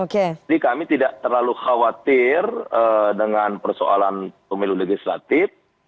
jadi kami tidak terlalu khawatir dengan persoalan pemilu legislatif